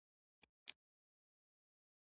زه به تر کله و تا ته انتظار يم.